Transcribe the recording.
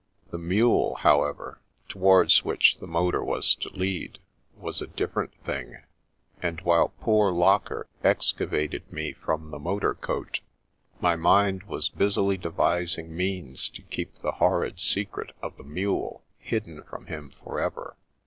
The mule, however, towards which the motor was to lead, was a different thing; and while poor Locker excavated me from the motor coat, my mind was busily devising means to keep the horrid secret of the mule hidden from him forever.